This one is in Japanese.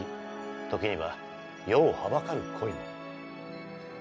時には世をはばかる恋も。